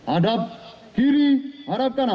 adat kiri adat kanan